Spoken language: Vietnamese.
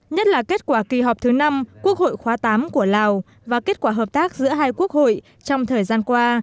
nhất là kết quả kỳ họp thứ năm quốc hội khóa tám của lào và kết quả hợp tác giữa hai quốc hội trong thời gian qua